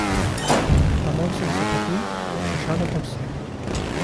Amor sense patir, això no pot ser.